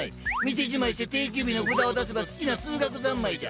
店じまいして定休日の札を出せば好きな数学三昧じゃ。